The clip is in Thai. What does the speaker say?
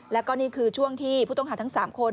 แล้วก็นี่คือช่วงที่ผู้ต้องหาทั้ง๓คน